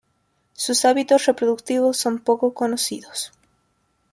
Sus hábitos reproductivos son poco conocidos.